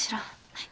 はい。